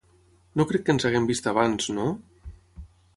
No crec que ens haguem vist abans, no?